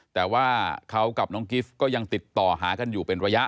แต่ว่าเขากับน้องกิฟต์ก็ยังติดต่อหากันอยู่เป็นระยะ